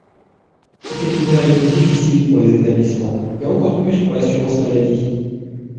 C’était une période difficile pour les établissements et encore plus pour l’assurance maladie.